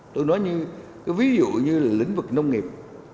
tôi nói như ví dụ lĩnh vực nông nghiệp